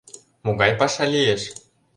— Могай паша лиеш?